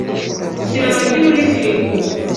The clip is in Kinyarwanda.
Shyira amagi muri firigo .